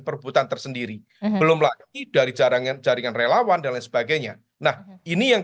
perbutan tersendiri belum lagi dari jaringan jaringan relawan dan lain sebagainya nah ini yang